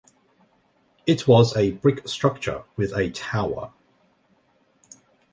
It was a brick structure with a tower.